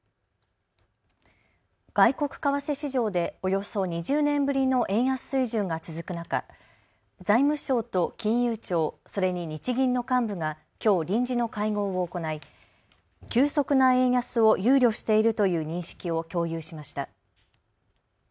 外国為替市場でおよそ２０年ぶりの円安水準が続く中、財務省と金融庁、それに日銀の幹部がきょう臨時の会合を行い急速な円安を憂慮しているという認識を共有しました。